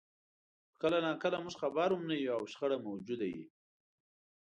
خو کله ناکله موږ خبر هم نه یو او شخړه موجوده وي.